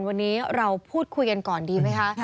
วันนี้เราพูดคุยกันก่อนดีไหมคะ